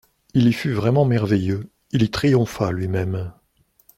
Il y fut vraiment merveilleux, il y triompha lui-même.